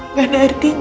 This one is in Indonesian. gak ada artinya